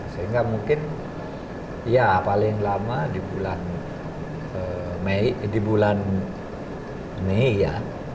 sehingga mungkin ya paling lama di bulan mei ya